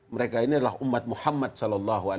mereka ini adalah umat muhammad saw